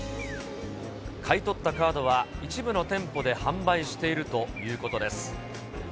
買い取ったカードは、一部の店舗で販売しているということです。